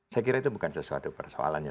saya kira itu bukan sesuatu persoalannya